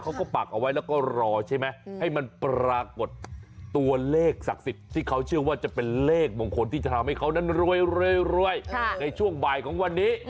เขาก็ปากเอาไว้แล้วก็รอใช่ไหม